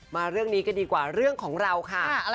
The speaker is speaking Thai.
มาเรื่องนี้กันดีกว่าเรื่องของเราค่ะ